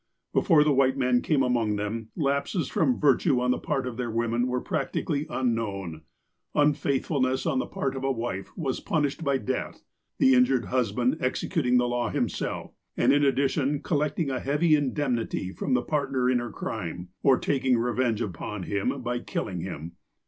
Before the white men came among them, lapses from virtue on the part of their women were practically un known. Unfaithfulness on the part of a wife was pun ishable by death, the injured husband executing the law himself, and in addition collecting a heavy indemnity from the partner in her crime, or taking revenge upon him by killing him.